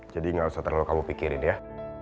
jadi gak usah terlalu kamu pikirin ya